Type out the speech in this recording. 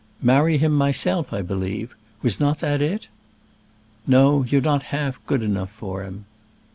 Marry him myself, I believe; was not that it?" "No; you're not half good enough for him."